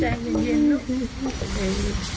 แจ้งเย็นลูก